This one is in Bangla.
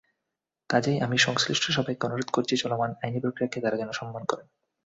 কাজেই, আমি সংশ্লিষ্ট সবাইকে অনুরোধ করছি, চলমান আইনিপ্রক্রিয়াকে তাঁরা যেন সম্মান করেন।